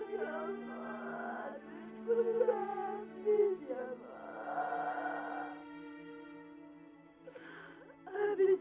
tapi perjanjiannya enggak begitu